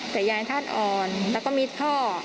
แต่ยายธาตุอ่อนแล้วก็มีท่อ